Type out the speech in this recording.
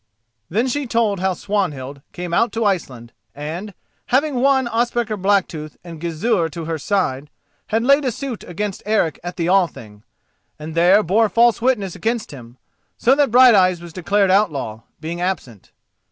Then she told how Swanhild came out to Iceland, and, having won Ospakar Blacktooth and Gizur to her side, had laid a suit against Eric at the Thing, and there bore false witness against him, so that Brighteyes was declared outlaw, being absent.